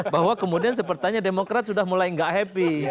bahwa kemudian sepertinya demokrat sudah mulai nggak happy